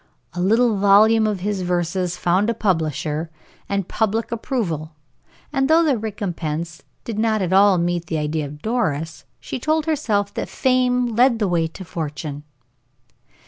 A little volume of his verses found a publisher, and public approval, and though the recompense did not at all meet the idea of Doris, yet she told herself that fame led the way to fortune.